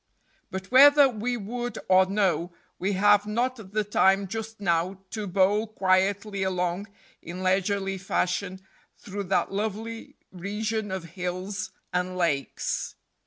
But whether we would or no, we have not the time just now to bowl quietly along in leisurely fashion through that lovely region of hills and lakes.